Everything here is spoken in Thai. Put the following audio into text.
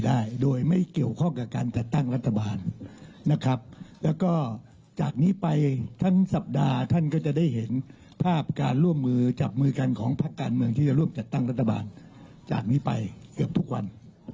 ได้โดยไม่เกี่ยวข้องกับการจัดตั้งรัฐบาลนะครับแล้วก็จากนี้ไปทั้งสัปดาห์ท่านก็จะได้เห็นภาพการร่วมมือจับมือกันของพักการเมืองที่จะร่วมจัดตั้งรัฐบาลจากนี้ไปเกือบทุกวัน